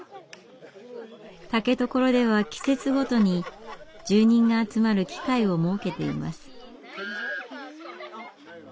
竹所では季節ごとに住人が集まる機会を設けています。